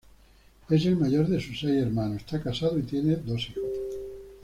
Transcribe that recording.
Es el mayor de sus seis hermanos, está casado y tiene dos hijos.